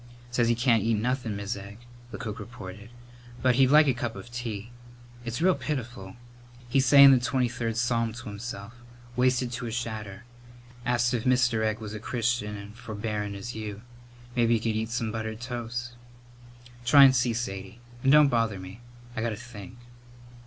"Says he can't eat nothin', Mis' Egg," the cook reported, "but he'd like a cup of tea. It's real pitiful. He's sayin' the Twenty third Psalm to himself. Wasted to a shadder. Asked if Mr. Egg was as Christian an' forbearin' as you. Mebbe he could eat some buttered toast." "Try and see, Sadie; and don't bother me. I got to think."